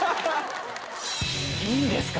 いいんですか？